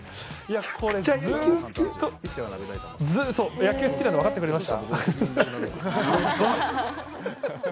野球好きなの分かってくれました？